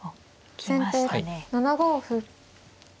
先手７五歩。